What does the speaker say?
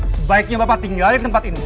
sebaiknya bapak tinggal di tempat ini